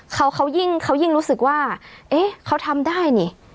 เขายิ่งรู้สึกว่าเอ๊ะเขาทำได้นี่